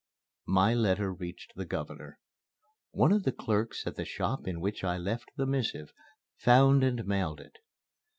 My letter reached the Governor. One of the clerks at the shop in which I left the missive found and mailed it.